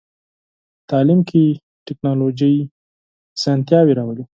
تعلیم کې ټکنالوژي اسانتیاوې راولي.